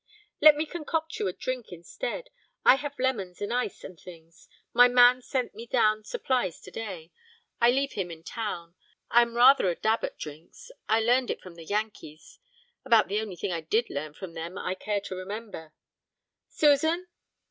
'Let me concoct you a drink instead. I have lemons and ice and things. My man sent me down supplies today; I leave him in town. I am rather a dab at drinks; I learnt it from the Yankees; about the only thing I did learn from them I care to remember. Susan!'